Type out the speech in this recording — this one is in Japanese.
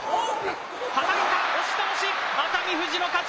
はたいた、押し倒し、熱海富士の勝ち。